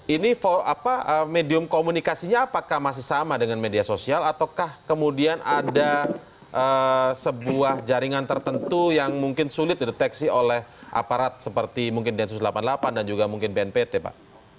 ini medium komunikasinya apakah masih sama dengan media sosial ataukah kemudian ada sebuah jaringan tertentu yang mungkin sulit dideteksi oleh aparat seperti mungkin densus delapan puluh delapan dan juga mungkin bnpt pak